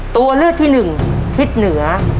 ตัวเลือกที่หนึ่งทิศเหนือ